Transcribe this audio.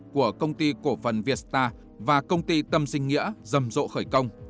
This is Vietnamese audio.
của công ty cổ phần vietstar và công ty tâm sinh nghĩa rầm rộ khởi công